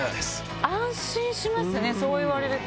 安心しますね、そう言われると。